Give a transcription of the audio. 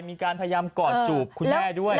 มีการพยายามกอดจูบคุณแม่ด้วย